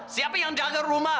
siapa yang jaga rumah